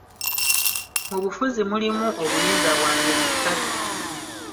Mu bufuzi mulimu obuyinza bwa ngeri ssatu.